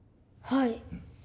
はい。